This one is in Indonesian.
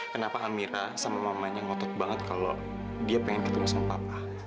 kenapa amira sama mamanya ngotot banget kalau dia pengen ketemu sama papa